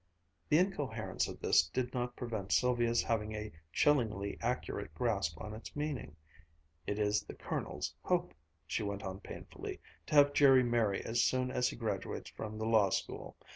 The incoherence of this did not prevent Sylvia's having a chillingly accurate grasp on its meaning. "It is the Colonel's hope," she went on painfully, "to have Jerry marry as soon as he graduates from the Law School.